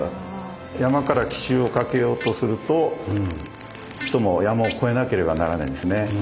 山から奇襲をかけようとするとその山を越えなければならないんですね。